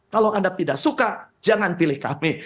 kalau anda tidak suka jangan pilih kami